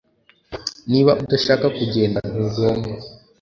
Niba udashaka kugenda ntugomba